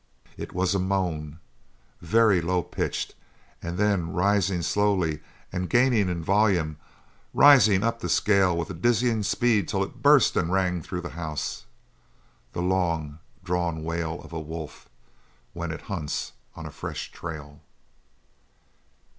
It was a moan, very low pitched, and then rising slowly, and gaining in volume, rising up the scale with a dizzy speed, till it burst and rang through the house the long drawn wail of a wolf when it hunts on a fresh trail.